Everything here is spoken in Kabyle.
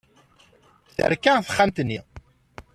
Terka texxamt-nni.